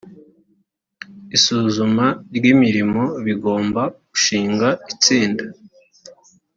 isuzumwa ry; imirimo bigomba gushingwa itsinda